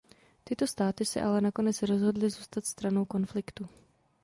Tyto státy se ale nakonec rozhodly zůstat stranou konfliktu.